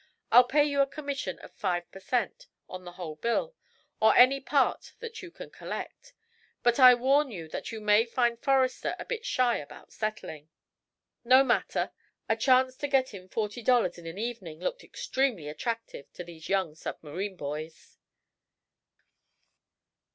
I'll pay you a commission of five per cent. on the whole bill, or any part that you can collect. But I warn you that you may find Forrester a bit shy about settling." No matter! A chance to get in forty dollars in an evening looked extremely attractive to these young submarine boys.